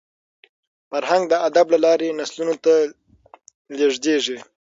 فرهنګ د ادب له لاري نسلونو ته لېږدېږي.